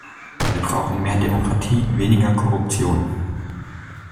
Wir brauchen mehr Demokratie, weniger Korruption.